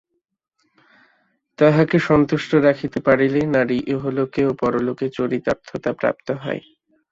তাঁহাকে সন্তুষ্ট রাখিতে পারিলেই নারী ইহলোকে ও পরলোকে চরিতার্থতা প্রাপ্ত হয়।